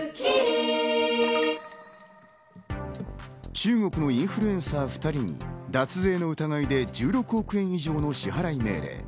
中国のインフルエンサー２人に脱税の疑いで１６億円以上の支払い命令。